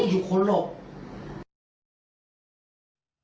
๑๕นาที๖นาที